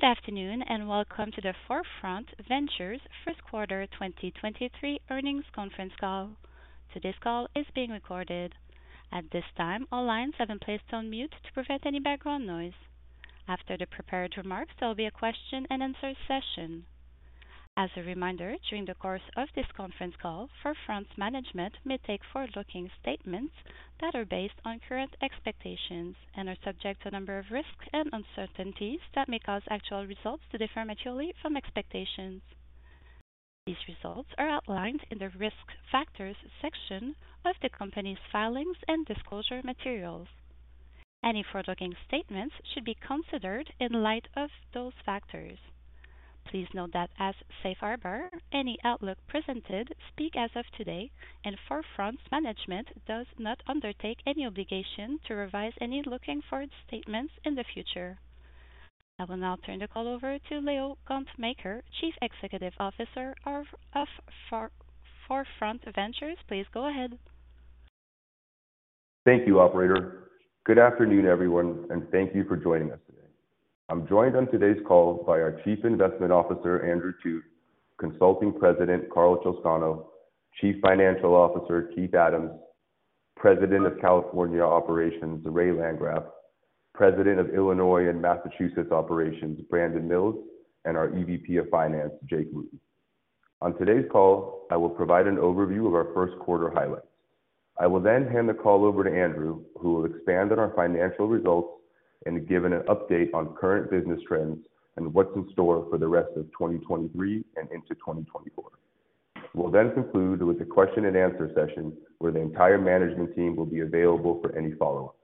Good afternoon, welcome to the 4Front Ventures first quarter 2023 earnings conference call. Today's call is being recorded. At this time, all lines have been placed on mute to prevent any background noise. After the prepared remarks, there will be a question-and-answer session. As a reminder, during the course of this conference call, 4Front's management may take forward-looking statements that are based on current expectations and are subject to a number of risks and uncertainties that may cause actual results to differ materially from expectations. These results are outlined in the Risk Factors section of the company's filings and disclosure materials. Any forward-looking statements should be considered in light of those factors. Please note that as Safe Harbor, any outlook presented speak as of today, and 4Front's management does not undertake any obligation to revise any looking forward statements in the future. I will now turn the call over to Leo Gontmakher, Chief Executive Officer of 4Front Ventures. Please go ahead. Thank you, operator. Good afternoon, everyone, and thank you for joining us today. I'm joined on today's call by our Chief Investment Officer, Andrew Thut; Consulting President, Karl Chowscano; Chief Financial Officer, Keith Adams; President of California Operations, Ray Landgraf; President of Illinois and Massachusetts Operations, Brandon Mills; and our EVP of Finance, Andrew Thut. On today's call, I will provide an overview of our first quarter highlights. I will then hand the call over to Andrew, who will expand on our financial results and give an update on current business trends and what's in store for the rest of 2023 and into 2024. We'll then conclude with a question-and-answer session where the entire management team will be available for any follow-up.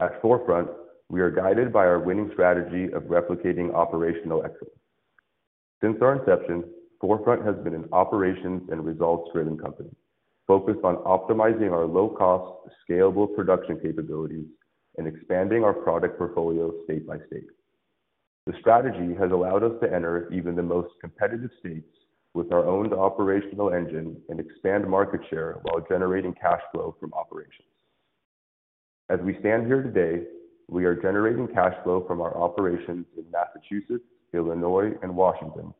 At 4Front, we are guided by our winning strategy of replicating operational excellence. Since our inception, 4Front has been an operations and results-driven company focused on optimizing our low-cost, scalable production capabilities and expanding our product portfolio state by state. The strategy has allowed us to enter even the most competitive states with our own operational engine and expand market share while generating cash flow from operations. As we stand here today, we are generating cash flow from our operations in Massachusetts, Illinois, and Washington,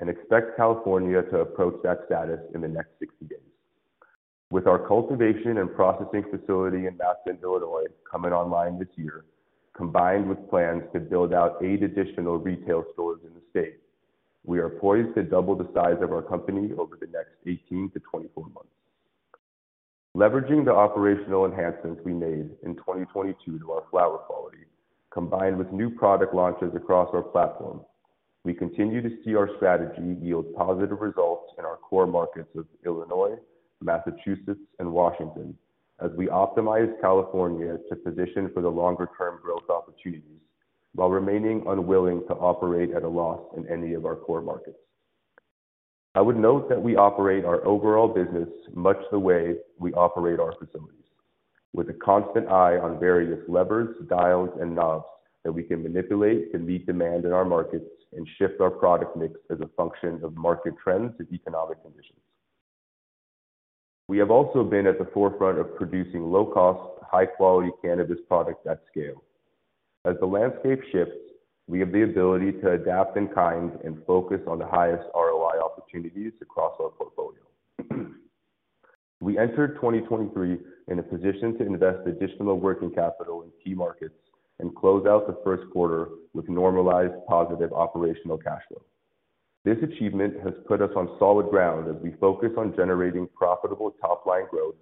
and expect California to approach that status in the next 60 days. With our cultivation and processing facility in Matteson, Illinois, coming online this year, combined with plans to build out eight additional retail stores in the state, we are poised to double the size of our company over the next 18months -24 months. Leveraging the operational enhancements we made in 2022 to our flower quality, combined with new product launches across our platform, we continue to see our strategy yield positive results in our core markets of Illinois, Massachusetts, and Washington as we optimize California to position for the longer-term growth opportunities while remaining unwilling to operate at a loss in any of our core markets. I would note that we operate our overall business much the way we operate our facilities. With a constant eye on various levers, dials, and knobs that we can manipulate to meet demand in our markets and shift our product mix as a function of market trends and economic conditions. We have also been at the forefront of producing low-cost, high-quality cannabis product at scale. As the landscape shifts, we have the ability to adapt in kind and focus on the highest ROI opportunities across our portfolio. We entered 2023 in a position to invest additional working capital in key markets and close out the first quarter with normalized positive operational cash flow. This achievement has put us on solid ground as we focus on generating profitable top-line growth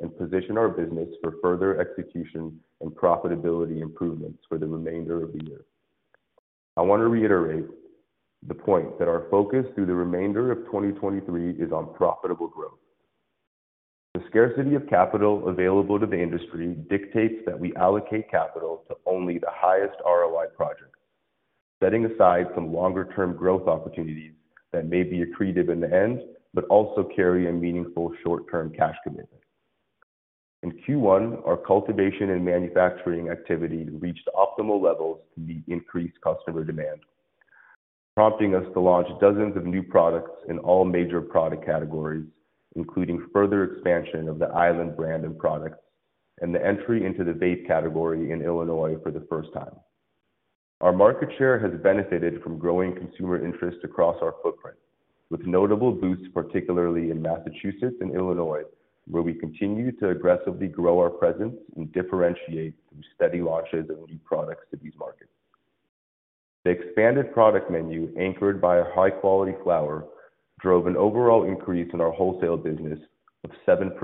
and position our business for further execution and profitability improvements for the remainder of the year. I want to reiterate the point that our focus through the remainder of 2023 is on profitable growth. The scarcity of capital available to the industry dictates that we allocate capital to only the highest ROI projects, setting aside some longer-term growth opportunities that may be accretive in the end but also carry a meaningful short-term cash commitment. In Q1, our cultivation and manufacturing activity reached optimal levels to meet increased customer demand, prompting us to launch dozens of new products in all major product categories, including further expansion of the Island brand and products and the entry into the vape category in Illinois for the first time. Our market share has benefited from growing consumer interest across our footprint, with notable boosts, particularly in Massachusetts and Illinois, where we continue to aggressively grow our presence and differentiate through steady launches of new products to these markets. The expanded product menu, anchored by a high-quality flower, drove an overall increase in our wholesale business of 7%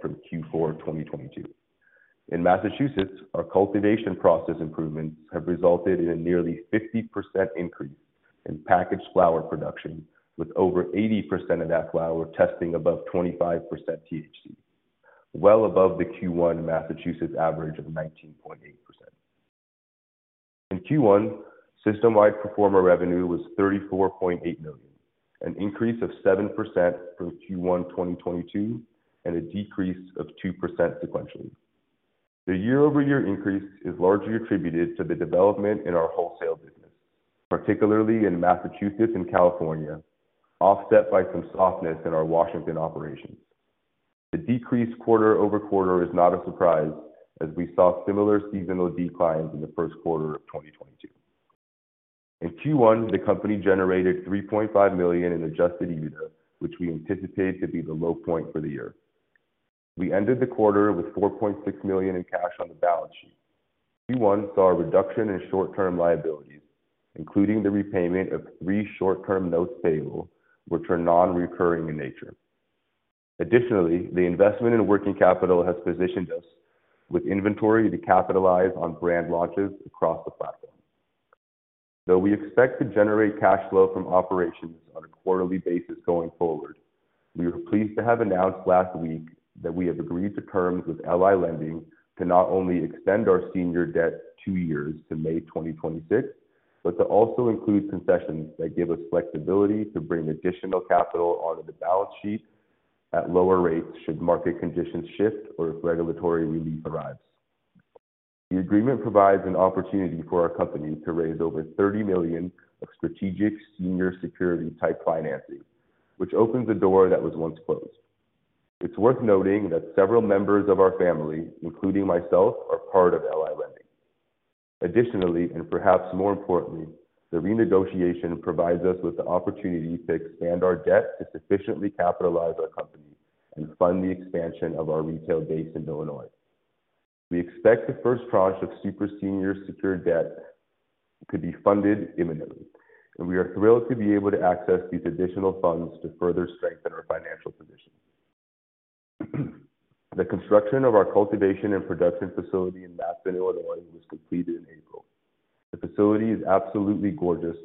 from Q4 2022. In Massachusetts, our cultivation process improvements have resulted in a nearly 50% increase in packaged flower production, with over 80% of that flower testing above 25% THC, well above the Q1 Massachusetts average of 19.8%. In Q1, system-wide pro forma revenue was $34.8 million, an increase of 7% from Q1 2022, and a decrease of 2% sequentially. The year-over-year increase is largely attributed to the development in our wholesale business, particularly in Massachusetts and California, offset by some softness in our Washington operations. The decreased quarter-over-quarter is not a surprise as we saw similar seasonal declines in the first quarter of 2022. In Q1, the company generated $3.5 million in adjusted EBITDA, which we anticipate to be the low point for the year. We ended the quarter with $4.6 million in cash on the balance sheet. Q1 saw a reduction in short-term liabilities, including the repayment of three short-term notes payable, which are non-recurring in nature. Additionally, the investment in working capital has positioned us with inventory to capitalize on brand launches across the platform. Though we expect to generate cash flow from operations on a quarterly basis going forward, we were pleased to have announced last week that we have agreed to terms with LI Lending to not only extend our senior debt two years to May 2026, but to also include concessions that give us flexibility to bring additional capital onto the balance sheet at lower rates should market conditions shift or if regulatory relief arrives. The agreement provides an opportunity for our company to raise over $30 million of strategic senior security-type financing, which opens a door that was once closed. It's worth noting that several members of our family, including myself, are part of LI Lending. Additionally, and perhaps more importantly, the renegotiation provides us with the opportunity to expand our debt to sufficiently capitalize our company and fund the expansion of our retail base in Illinois. We expect the first tranche of super senior secured debt to be funded imminently, and we are thrilled to be able to access these additional funds to further strengthen our financial position. The construction of our cultivation and production facility in Matteson, Illinois, was completed in April. The facility is absolutely gorgeous,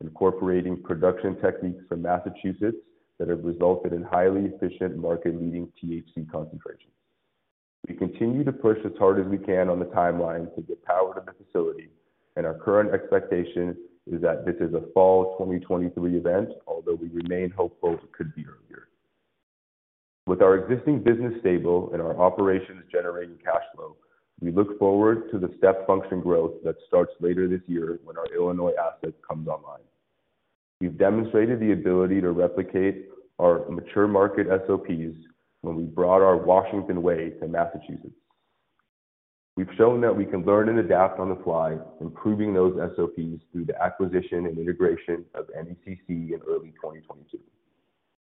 incorporating production techniques from Massachusetts that have resulted in highly efficient market-leading THC concentrations. We continue to push as hard as we can on the timeline to get power to the facility, and our current expectation is that this is a fall 2023 event, although we remain hopeful it could be earlier. With our existing business stable and our operations generating cash flow, we look forward to the step function growth that starts later this year when our Illinois asset comes online. We've demonstrated the ability to replicate our mature market SOPs when we brought our Washington way to Massachusetts. We've shown that we can learn and adapt on the fly, improving those SOPs through the acquisition and integration of NECC in early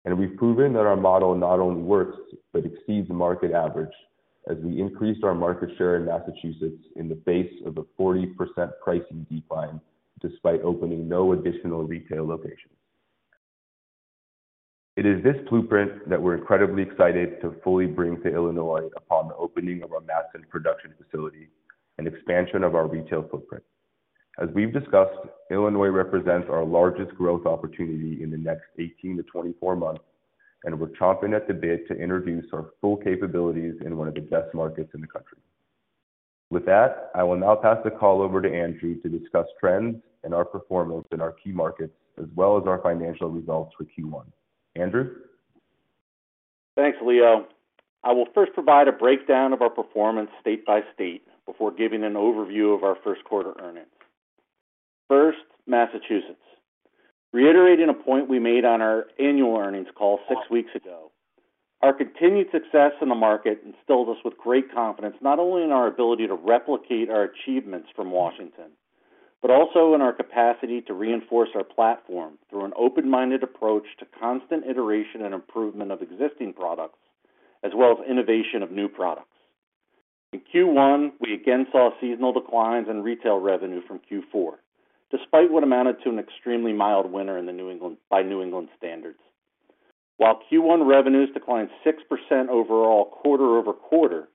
2022. We've proven that our model not only works, but exceeds the market average as we increased our market share in Massachusetts in the face of a 40% pricing decline despite opening no additional retail locations. It is this blueprint that we're incredibly excited to fully bring to Illinois upon the opening of our Matteson production facility and expansion of our retail footprint. As we've discussed, Illinois represents our largest growth opportunity in the next 18months-24 months. We're chomping at the bit to introduce our full capabilities in one of the best markets in the country. With that, I will now pass the call over to Andrew to discuss trends and our performance in our key markets, as well as our financial results for Q1. Andrew. Thanks, Leo. I will first provide a breakdown of our performance state by state before giving an overview of our first quarter earnings. First, Massachusetts. Reiterating a point we made on our annual earnings call six weeks ago, our continued success in the market instills us with great confidence, not only in our ability to replicate our achievements from Washington, but also in our capacity to reinforce our platform through an open-minded approach to constant iteration and improvement of existing products, as well as innovation of new products. In Q1, we again saw seasonal declines in retail revenue from Q4, despite what amounted to an extremely mild winter in the New England by New England standards. While Q1 revenues declined 6% overall quarter-over-quarter,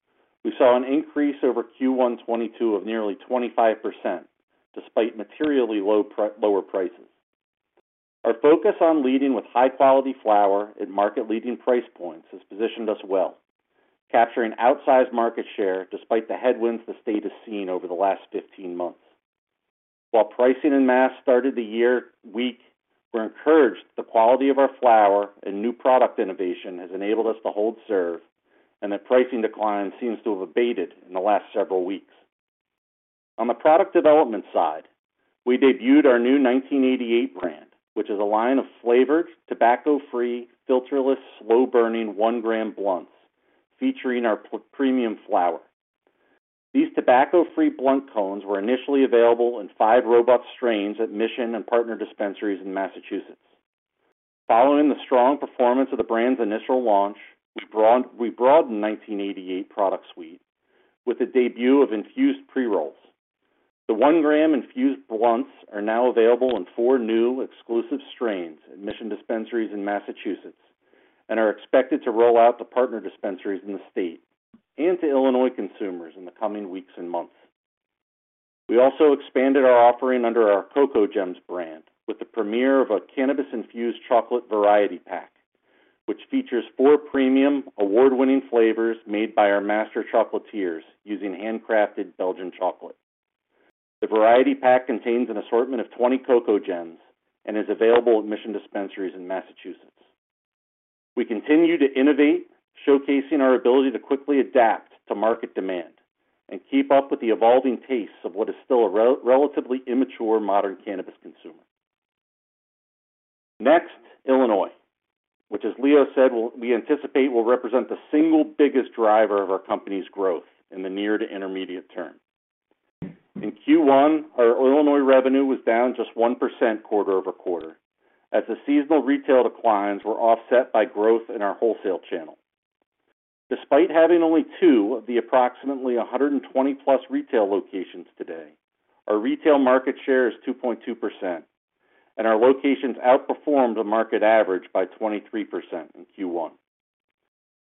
we saw an increase over Q1 2022 of nearly 25% despite materially lower prices. Our focus on leading with high-quality flower at market-leading price points has positioned us well, capturing outsized market share despite the headwinds the state has seen over the last 15 months. While pricing in Mass started the year weak, we're encouraged the quality of our flower and new product innovation has enabled us to hold serve and that pricing decline seems to have abated in the last several weeks. On the product development side, we debuted our new 1988 brand, which is a line of flavored, tobacco-free, filterless, slow-burning 1 g blunts featuring our premium flower. These tobacco-free blunt cones were initially available in five robust strains at Mission and partner dispensaries in Massachusetts. Following the strong performance of the brand's initial launch, we broadened 1988 product suite with the debut of infused pre-rolls. The 1 g infused blunts are now available in four new exclusive strains at Mission dispensaries in Massachusetts and are expected to roll out to partner dispensaries in the state and to Illinois consumers in the coming weeks and months. We also expanded our offering under our KokoGemz brand with the premiere of a cannabis-infused chocolate variety pack, which features four premium award-winning flavors made by our master chocolatiers using handcrafted Belgian chocolate. The variety pack contains an assortment of 20 KokoGemz and is available at Mission dispensaries in Massachusetts. We continue to innovate, showcasing our ability to quickly adapt to market demand and keep up with the evolving tastes of what is still a relatively immature modern cannabis consumer. Illinois, which as Leo said, we anticipate will represent the single biggest driver of our company's growth in the near to intermediate term. In Q1, our Illinois revenue was down just 1% quarter-over-quarter as the seasonal retail declines were offset by growth in our wholesale channel. Despite having only two of the approximately 120-plus retail locations today, our retail market share is 2.2%, and our locations outperformed the market average by 23% in Q1.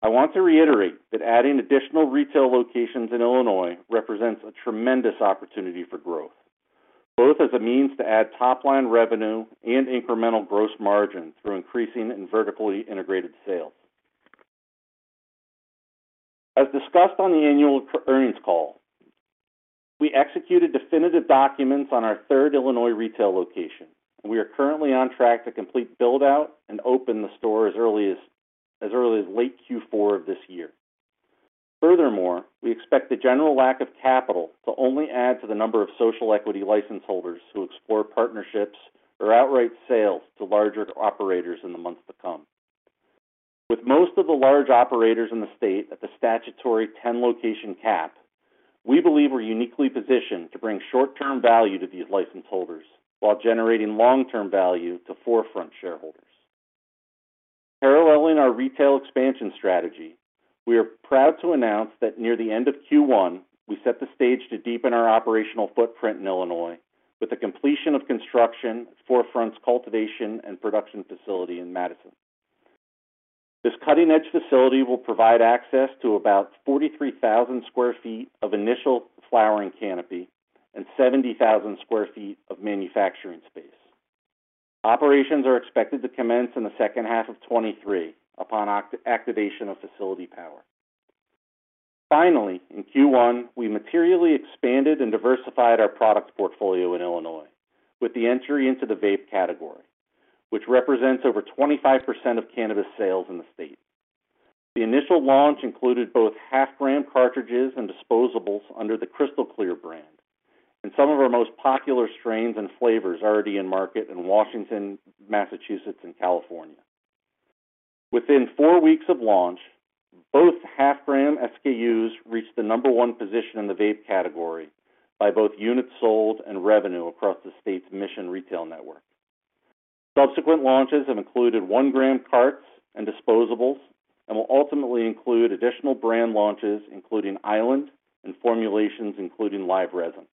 I want to reiterate that adding additional retail locations in Illinois represents a tremendous opportunity for growth, both as a means to add top-line revenue and incremental gross margin through increasing and vertically integrated sales. As discussed on the annual earnings call, we executed definitive documents on our third Illinois retail location. We are currently on track to complete build-out and open the store as early as late Q4 of this year. Furthermore, we expect the general lack of capital to only add to the number of social equity license holders who explore partnerships or outright sales to larger operators in the months to come. With most of the large operators in the state at the statutory 10-location cap, we believe we're uniquely positioned to bring short-term value to these license holders while generating long-term value to 4Front shareholders. Paralleling our retail expansion strategy, we are proud to announce that near the end of Q1, we set the stage to deepen our operational footprint in Illinois with the completion of construction at 4Front's cultivation and production facility in Matteson. This cutting-edge facility will provide access to about 43,000 sq ft of initial flowering canopy and 70,000 sq ft of manufacturing space. Operations are expected to commence in the second half of 2023 upon activation of facility power. Finally, in Q1, we materially expanded and diversified our product portfolio in Illinois with the entry into the vape category, which represents over 25% of cannabis sales in the state. The initial launch included both half-gram cartridges and disposables under the Crystal Clear brand, some of our most popular strains and flavors already in market in Washington, Massachusetts, and California. Within four weeks of launch, both half-gram SKUs reached the number one position in the vape category by both units sold and revenue across the state's Mission retail network. Subsequent launches have included one-gram carts and disposables and will ultimately include additional brand launches, including Island, and formulations including live resin.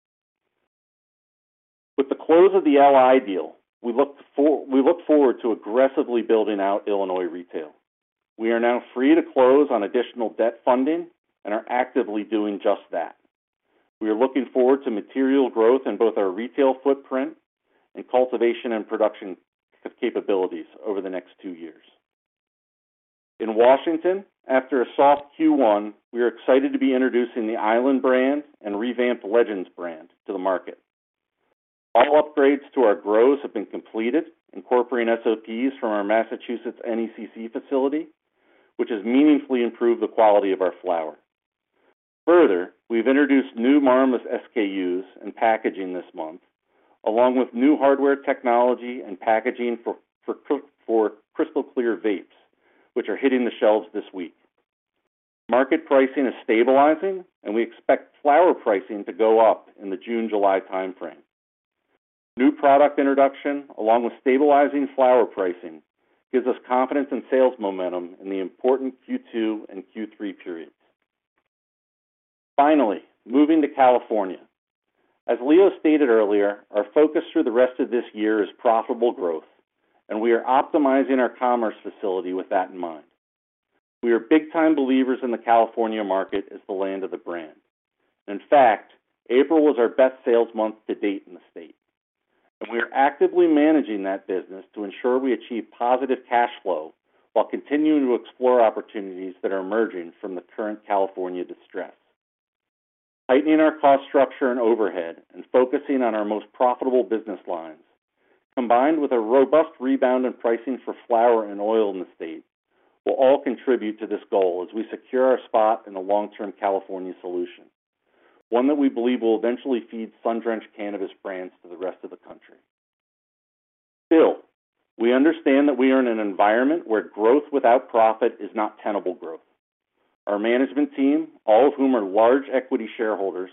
With the close of the LI deal, we look forward to aggressively building out Illinois retail. We are now free to close on additional debt funding and are actively doing just that. We are looking forward to material growth in both our retail footprint and cultivation and production capabilities over the next two years. In Washington, after a soft Q1, we are excited to be introducing the Island brand and revamped Legends brand to the market. All upgrades to our grows have been completed, incorporating SOPs from our Massachusetts NECC facility, which has meaningfully improved the quality of our flower. Further, we've introduced new Marmas SKUs and packaging this month, along with new hardware technology and packaging for Crystal Clear vapes, which are hitting the shelves this week. Market pricing is stabilizing, and we expect flower pricing to go up in the June-July timeframe. New product introduction, along with stabilizing flower pricing, gives us confidence in sales momentum in the important Q2 and Q3 periods. Finally, moving to California. As Leo stated earlier, our focus through the rest of this year is profitable growth, and we are optimizing our commerce facility with that in mind. We are big-time believers in the California market as the land of the brand. In fact, April was our best sales month to date in the state. We are actively managing that business to ensure we achieve positive cash flow while continuing to explore opportunities that are emerging from the current California distress. Tightening our cost structure and overhead and focusing on our most profitable business lines, combined with a robust rebound in pricing for flower and oil in the state, will all contribute to this goal as we secure our spot in the long-term California solution, one that we believe will eventually feed sun-drenched cannabis brands to the rest of the country. We understand that we are in an environment where growth without profit is not tenable growth. Our management team, all of whom are large equity shareholders,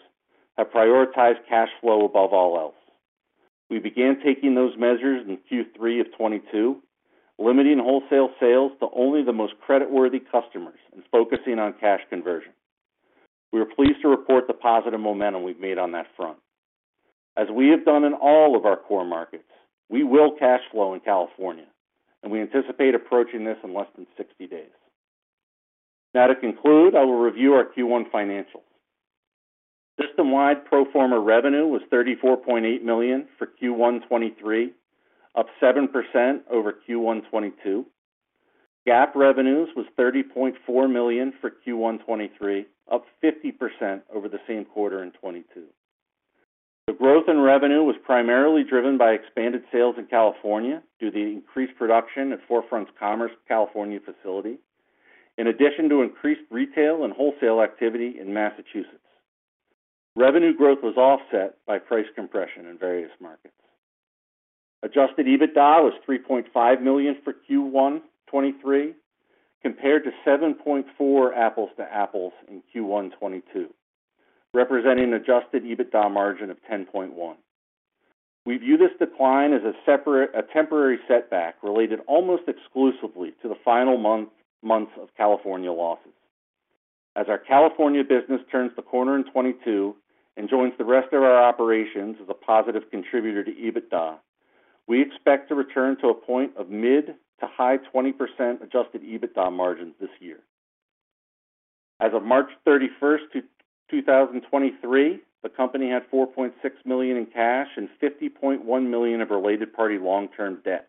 have prioritized cash flow above all else. We began taking those measures in Q3 2022, limiting wholesale sales to only the most creditworthy customers and focusing on cash conversion. We are pleased to report the positive momentum we've made on that front. As we have done in all of our core markets, we will cash flow in California, and we anticipate approaching this in less than 60 days. To conclude, I will review our Q1 financials. System-wide pro forma revenue was $34.8 million for Q1 2023, up 7% over Q1 2022. GAAP revenues was $30.4 million for Q1 2023, up 50% over the same quarter in 2022. The growth in revenue was primarily driven by expanded sales in California due to the increased production at 4Front Ventures' Commerce California facility, in addition to increased retail and wholesale activity in Massachusetts. Revenue growth was offset by price compression in various markets. Adjusted EBITDA was $3.5 million for Q1 2023, compared to $7.4 million apples to apples in Q1 2022, representing an adjusted EBITDA margin of 10.1%. We view this decline as a temporary setback related almost exclusively to the final months of California losses. As our California business turns the corner in 2022 and joins the rest of our operations as a positive contributor to EBITDA, we expect to return to a point of mid to high 20% adjusted EBITDA margins this year. As of 31st March, 2023, the company had $4.6 million in cash and $50.1 million of related party long-term debt,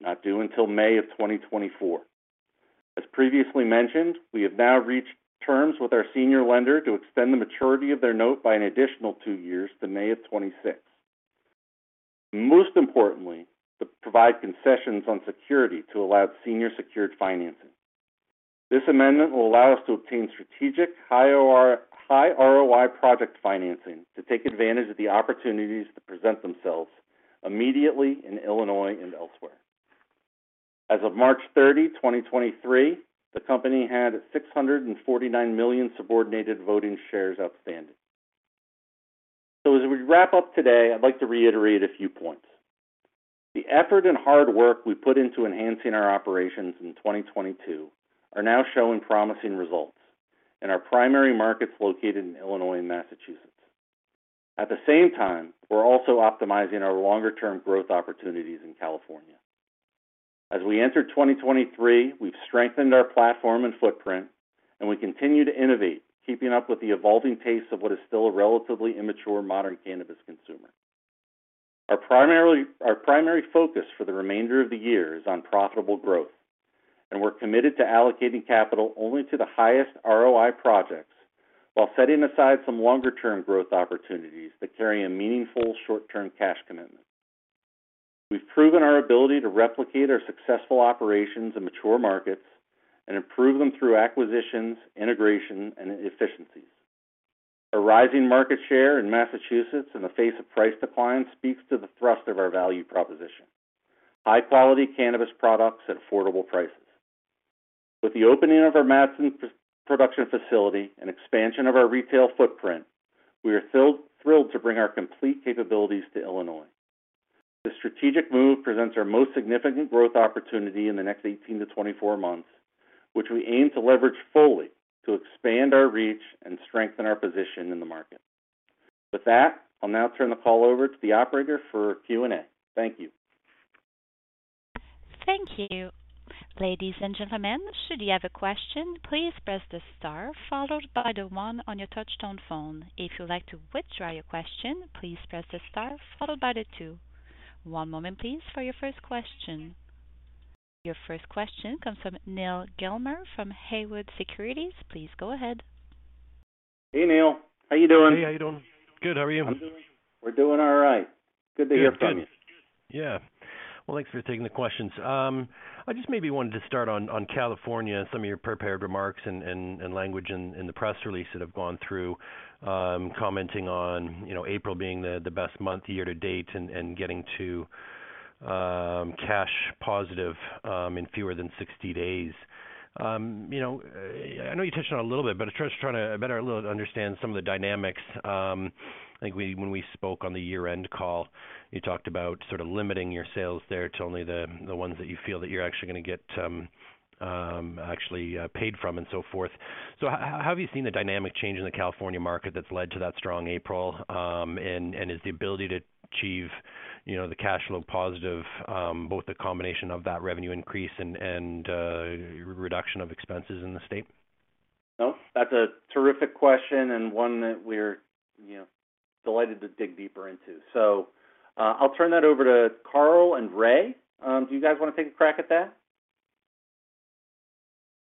not due until May of 2024. As previously mentioned, we have now reached terms with our senior lender to extend the maturity of their note by an additional two years to May of 2026. Most importantly, to provide concessions on security to allow senior secured financing. This amendment will allow us to obtain strategic high ROI project financing to take advantage of the opportunities that present themselves immediately in Illinois and elsewhere. As of March 30, 2023, the company had 649 million subordinated voting shares outstanding. As we wrap up today, I'd like to reiterate a few points. The effort and hard work we put into enhancing our operations in 2022 are now showing promising results in our primary markets located in Illinois and Massachusetts. At the same time, we're also optimizing our longer-term growth opportunities in California. As we enter 2023, we've strengthened our platform and footprint, we continue to innovate, keeping up with the evolving pace of what is still a relatively immature modern cannabis consumer. Our primary focus for the remainder of the year is on profitable growth, we're committed to allocating capital only to the highest ROI projects while setting aside some longer-term growth opportunities that carry a meaningful short-term cash commitment. We've proven our ability to replicate our successful operations in mature markets and improve them through acquisitions, integration, and e-efficiencies. Our rising market share in Massachusetts in the face of price declines speaks to the thrust of our value proposition. High-quality cannabis products at affordable prices. With the opening of our Matteson production facility and expansion of our retail footprint, we are thrilled to bring our complete capabilities to Illinois. This strategic move presents our most significant growth opportunity in the next 18-24 months, which we aim to leverage fully to expand our reach and strengthen our position in the market. With that, I'll now turn the call over to the operator for Q&A. Thank you. Thank you. Ladies and gentlemen, should you have a question, please press the star followed by the 1 on your touch-tone phone. If you'd like to withdraw your question, please press the star followed by the 2. One moment please for your first question. Your first question comes from Neal Gilmer from Haywood Securities. Please go ahead. Hey, Neil. How you doing? Hey, how you doing? Good. How are you? We're doing all right. Good to hear from you. Well, thanks for taking the questions. I just maybe wanted to start on California, some of your prepared remarks and language in the press release that have gone through, commenting on, you know, April being the best month year to date and getting to cash positive in fewer than 60 days. You know, I know you touched on it a little bit, but just trying to better understand some of the dynamics. I think we, when we spoke on the year-end call, you talked about sort of limiting your sales there to only the ones that you feel that you're actually gonna get, actually paid from and so forth. How have you seen the dynamic change in the California market that's led to that strong April? Is the ability to achieve, you know, the cash flow positive, both a combination of that revenue increase and reduction of expenses in the state? No, that's a terrific question and one that we're, you know, delighted to dig deeper into. I'll turn that over to Karl and Ray. Do you guys want to take a crack at that?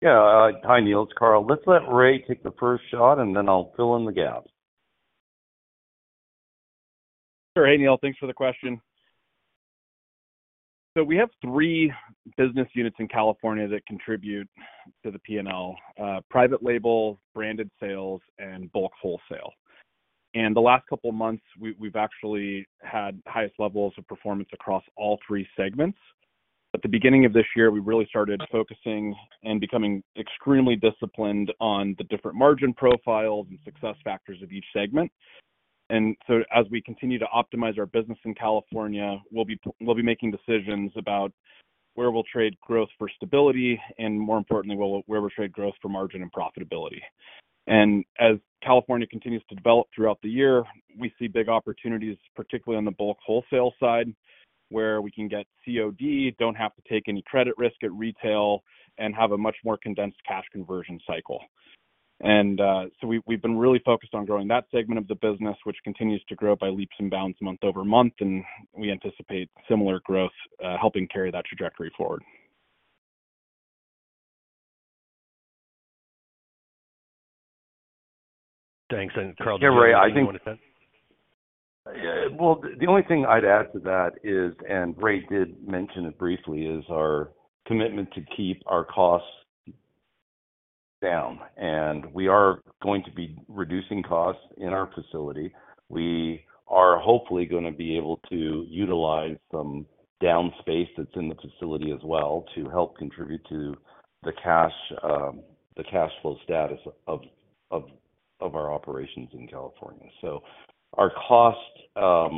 Yeah. Hi, Neil, it's Karl. Let's let Ray take the first shot, and then I'll fill in the gaps. Sure. Hey, Neil, thanks for the question. We have three business units in California that contribute to the P&L, private label, branded sales, and bulk wholesale. The last couple of months, we've actually had highest levels of performance across all three segments. At the beginning of this year, we really started focusing and becoming extremely disciplined on the different margin profiles and success factors of each segment. As we continue to optimize our business in California, we'll be making decisions about where we'll trade growth for stability and more importantly, where we'll trade growth for margin and profitability. As California continues to develop throughout the year, we see big opportunities, particularly on the bulk wholesale side, where we can get COD, don't have to take any credit risk at retail and have a much more condensed cash conversion cycle. We've been really focused on growing that segment of the business, which continues to grow by leaps and bounds month-over-month, and we anticipate similar growth, helping carry that trajectory forward. Thanks. Karl- Ray. Well, the only thing I'd add to that is, and Ray did mention it briefly, is our commitment to keep our costs down. We are going to be reducing costs in our facility. We are hopefully gonna be able to utilize some down space that's in the facility as well to help contribute to the cash, the cash flow status of our operations in California. Our cost, our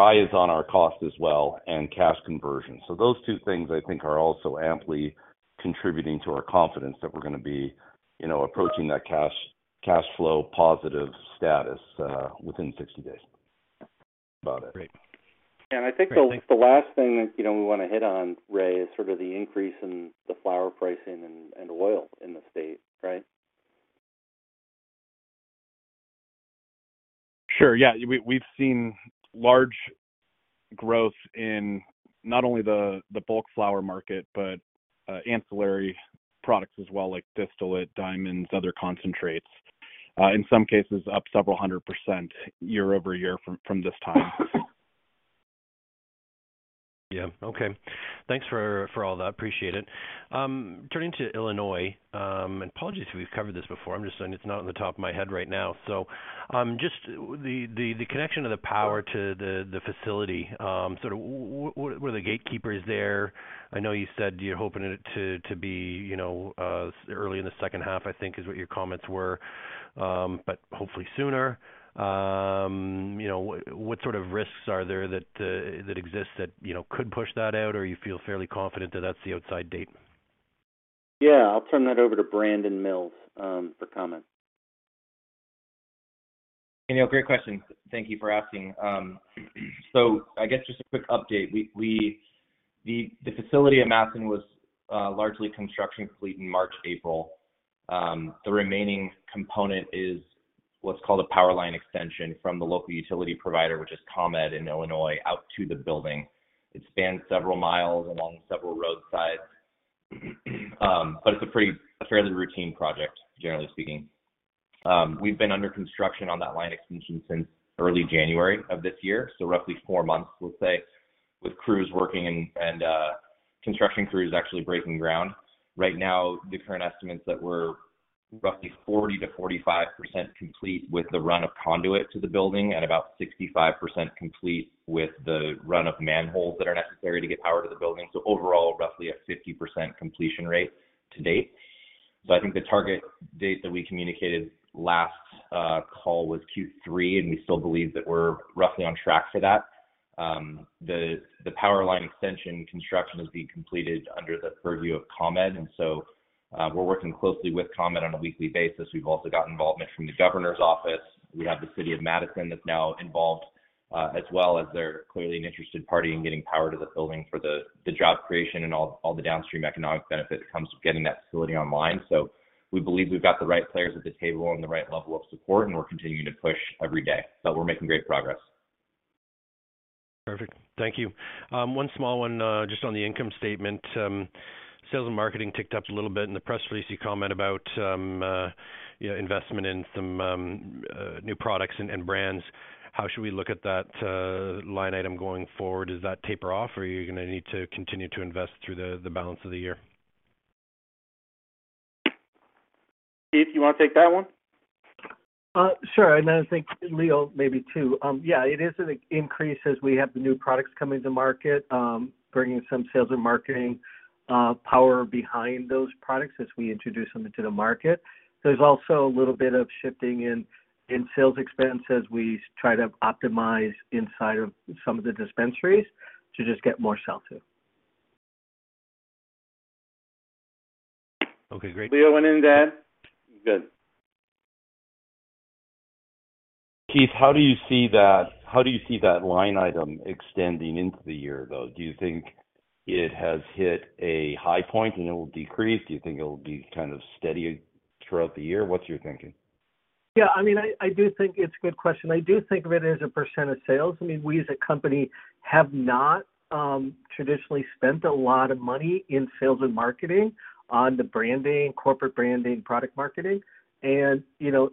eye is on our cost as well and cash conversion. Those two things, I think, are also amply contributing to our confidence that we're gonna be, you know, approaching that cash flow positive status within 60 days. That's about it. Great. I think the last thing, you know, we wanna hit on, Ray, is sort of the increase in the flower pricing and oil in the state, right? Sure. Yeah. We've seen large growth in not only the bulk flower market, but ancillary products as well, like distillate, diamonds, other concentrates. In some cases, up several hundred % year-over-year from this time. Okay. Thanks for all that. Appreciate it. Turning to Illinois, apologies if we've covered this before. I'm just saying it's not on the top of my head right now. Just the connection of the power to the facility, sort of were the gatekeepers there. I know you said you're hoping it to be, you know, early in the second half, I think, is what your comments were, but hopefully sooner. You know, what sort of risks are there that exist that, you know, could push that out, or you feel fairly confident that that's the outside date? Yeah. I'll turn that over to Brandon Mills, for comment. You know, great question. Thank you for asking. I guess just a quick update. The facility in Matteson was largely construction complete in March, April. The remaining component is what's called a power line extension from the local utility provider, which is ComEd in Illinois, out to the building. It spans several miles along several roadsides. It's a fairly routine project, generally speaking. We've been under construction on that line extension since early January of this year, roughly four months, let's say, with crews working and construction crews actually breaking ground. Right now, the current estimates that we're roughly 40%-45% complete with the run of conduit to the building and about 65% complete with the run of manholes that are necessary to get power to the building. Overall, roughly a 50% completion rate to date. I think the target date that we communicated last call was Q3, and we still believe that we're roughly on track for that. The power line extension construction is being completed under the purview of ComEd. We're working closely with ComEd on a weekly basis. We've also got involvement from the governor's office. We have the city of Matteson that's now involved, as well as they're clearly an interested party in getting power to the building for the job creation and all the downstream economic benefit that comes with getting that facility online. We believe we've got the right players at the table and the right level of support, and we're continuing to push every day, but we're making great progress. Perfect. Thank you. one small one, just on the income statement. Sales and marketing ticked up a little bit. In the press release, you comment about, you know, investment in some new products and brands. How should we look at that line item going forward? Does that taper off, or you're gonna need to continue to invest through the balance of the year? Keith, you wanna take that one? Sure. I think Leo maybe too. Yeah, it is an increase as we have the new products coming to market, bringing some sales and marketing power behind those products as we introduce them into the market. There's also a little bit of shifting in sales expense as we try to optimize inside of some of the dispensaries to just get more sell, too. Okay, great. Leo went in, Dan. Good. Keith, how do you see that, how do you see that line item extending into the year, though? Do you think it has hit a high point and it will decrease? Do you think it'll be kind of steady throughout the year? What's your thinking? I mean, I do think it's a good question. I do think of it as a % of sales. I mean, we as a company have not traditionally spent a lot of money in sales and marketing on the branding, corporate branding, product marketing. You know,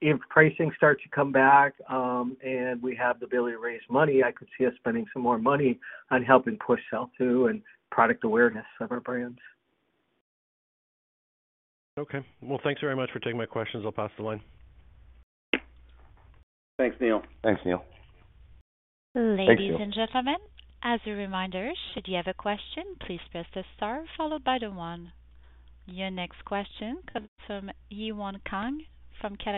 if pricing starts to come back, and we have the ability to raise money, I could see us spending some more money on helping push sell too and product awareness of our brands. Okay. Well, thanks very much for taking my questions. I'll pass the line. Thanks, Neil. Thanks, Neil. Ladies and gentlemen, as a reminder, should you have a question, please press star followed by the one. Your next question comes from Matt Bottomley from Canaccord Genuity. Please go ahead. Hey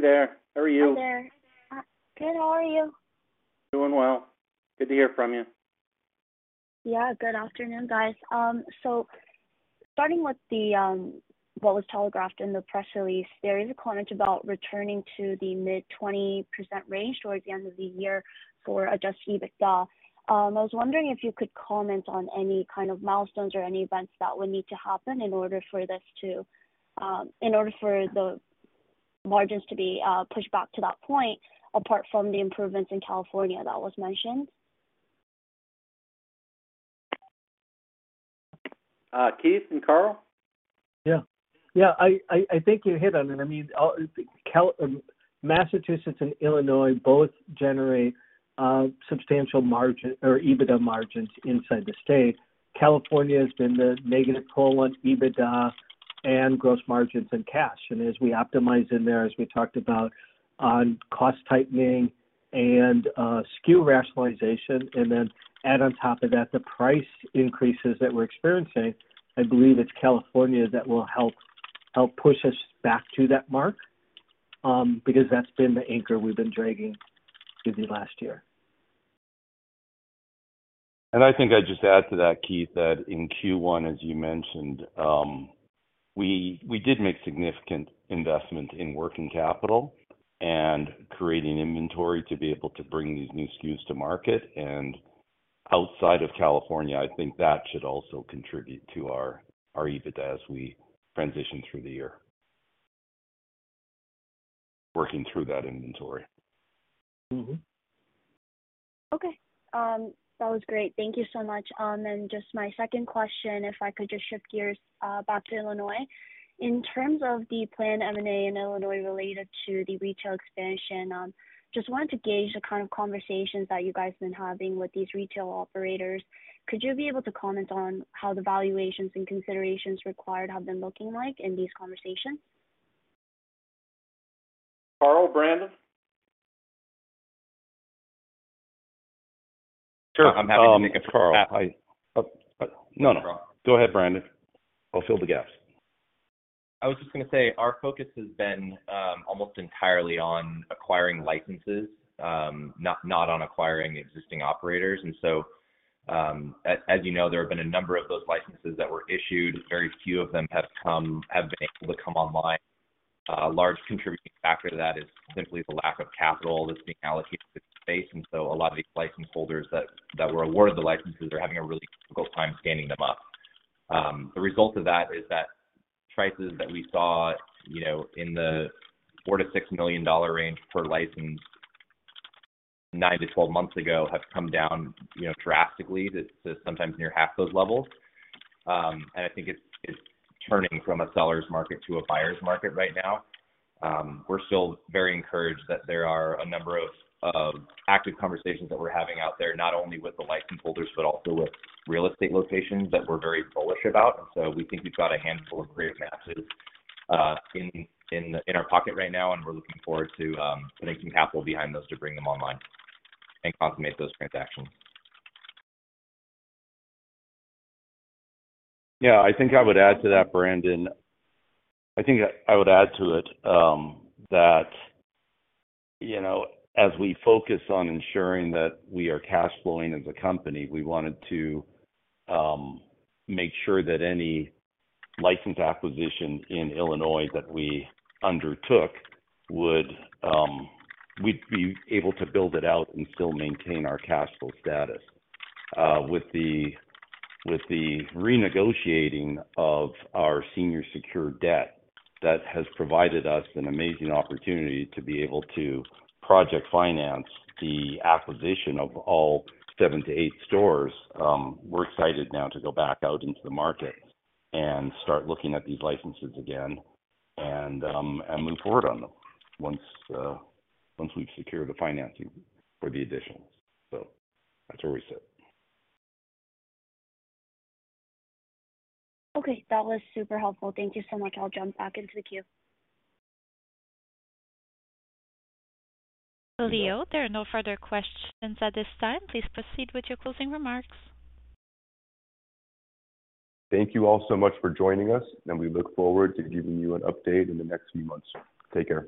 there. How are you? Hi there. Good. How are you? Doing well. Good to hear from you. Good afternoon, guys. Starting with what was telegraphed in the press release, there is a comment about returning to the mid 20% range towards the end of the year for adjusted EBITDA. I was wondering if you could comment on any kind of milestones or any events that would need to happen in order for this to, in order for the margins to be pushed back to that point, apart from the improvements in California that was mentioned? Keith and Carl? Yeah. Yeah, I think you hit on it. I mean, Massachusetts and Illinois both generate substantial margin or EBITDA margins inside the state. California has been the negative toll on EBITDA and gross margins and cash. As we optimize in there, as we talked about on cost tightening and SKU rationalization, and then add on top of that the price increases that we're experiencing, I believe it's California that will help push us back to that mark, because that's been the anchor we've been dragging through the last year. I think I'd just add to that, Keith, that in Q1, as you mentioned, we did make significant investments in working capital and creating inventory to be able to bring these new SKUs to market. Outside of California, I think that should also contribute to our EBITDA as we transition through the year. Working through that inventory. Okay. That was great. Thank you so much. Just my second question, if I could just shift gears, back to Illinois. In terms of the planned M&A in Illinois related to the retail expansion, just wanted to gauge the kind of conversations that you guys have been having with these retail operators. Could you be able to comment on how the valuations and considerations required have been looking like in these conversations? Karl, Brandon? Sure. I'm happy to make Karl. Oh, no. Go ahead, Brandon. I'll fill the gaps. I was just gonna say our focus has been almost entirely on acquiring licenses, not on acquiring existing operators. As you know, there have been a number of those licenses that were issued. Very few of them have been able to come online. Large contributing factor to that is simply the lack of capital that's being allocated to this space. A lot of these license holders that were awarded the licenses are having a really difficult time standing them up. The result of that is that prices that we saw, you know, in the $4 million-$6 million range per license 9-12 months ago have come down, you know, drastically to sometimes near half those levels. I think it's turning from a seller's market to a buyer's market right now. We're still very encouraged that there are a number of active conversations that we're having out there, not only with the license holders, but also with real estate locations that we're very bullish about. We think we've got a handful of great maps in our pocket right now, and we're looking forward to putting some capital behind those to bring them online and consummate those transactions. I think I would add to it, that, you know, as we focus on ensuring that we are cash flowing as a company, we wanted to make sure that any license acquisition in Illinois that we undertook would, we'd be able to build it out and still maintain our cash flow status. With the renegotiating of our senior secured debt, that has provided us an amazing opportunity to be able to project finance the acquisition of all seven to eight stores. We're excited now to go back out into the market and start looking at these licenses again and move forward on them once we've secured the financing for the additions. That's where we sit. That was super helpful. Thank you so much. I'll jump back into the queue. Leo, there are no further questions at this time. Please proceed with your closing remarks. Thank you all so much for joining us. We look forward to giving you an update in the next few months. Take care.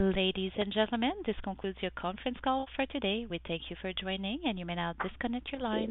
Ladies and gentlemen, this concludes your conference call for today. We thank you for joining. You may now disconnect your lines.